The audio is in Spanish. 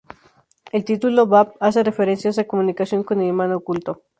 El título "Báb" hace referencia a esa comunicación con el Imam oculto.